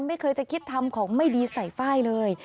ไม่เคยจะคิดทำของไม่ดีใส่ไฟล์เลย